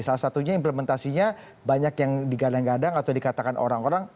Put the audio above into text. salah satunya implementasinya banyak yang digadang gadang atau dikatakan orang orang